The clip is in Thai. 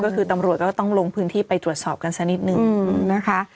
ก็คือตำรวจก็ต้องลงพื้นที่ไปตรวจสอบกันสักนิดนึงนะคะ